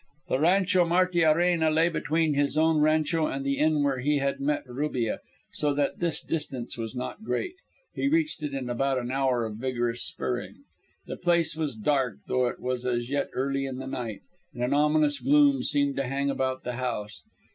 The Rancho Martiarena lay between his own rancho and the inn where he had met Rubia, so that this distance was not great. He reached it in about an hour of vigorous spurring. The place was dark though it was as yet early in the night, and an ominous gloom seemed to hang about the house.